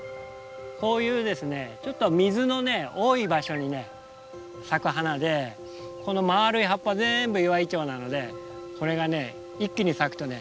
こういうちょっと水の多い場所にね咲く花でこのまるい葉っぱ全部イワイチョウなのでこれが一気に咲くとね